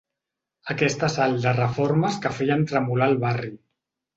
Aquest assalt de reformes que feien tremolar el barri.